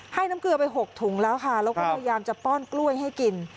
น้ำเกลือไป๖ถุงแล้วค่ะแล้วก็พยายามจะป้อนกล้วยให้กิน